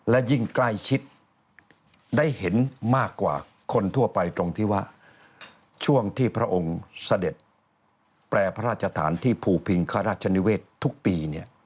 และยิ่งใกล้ชิดได้เห็นมากกว่าคนทั่วไปตรงที่ว่าช่วงที่พระองค์เสด็จแปรพระราชฐานที่ภูพิงข้าราชนิเวศทุกปี